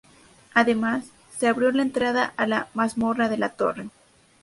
Además, se abrió la entrada a la mazmorra de la torre.